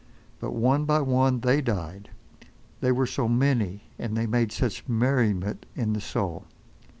But one by one they died. They were so many, and they made such merriment in the soul.